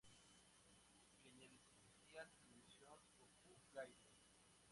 En el especial de televisión Gokū Gaiden!